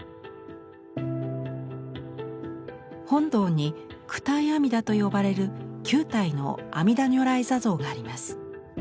本堂に「九体阿弥陀」と呼ばれる９体の阿弥陀如来坐像があります。